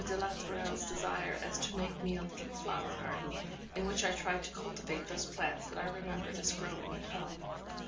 de la Tourelle's desire as to make me a little flower garden, in which I tried to cultivate those plants that I remembered as growing at home.